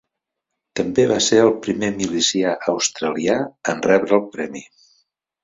També va ser el primer milicià australià en rebre el premi.